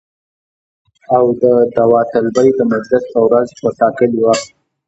او د داوطلبۍ د مجلس په ورځ په ټاکلي وخت